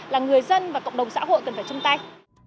là người dân và cộng đồng xã hội cần phải chung tay